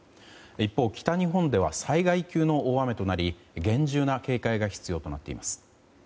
一方、北日本では災害級の大雨となり厳重な警戒が必要となっています。